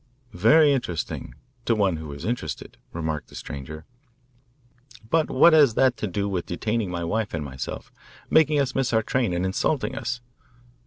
"Very interesting to one who is interested," remarked the stranger, "but what has that to do with detaining my wife and myself, making us miss our train, and insulting us?"